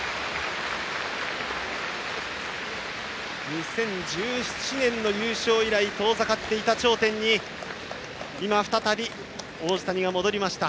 ２０１７年の優勝以来遠ざかっていた頂点に今、再び王子谷が戻りました。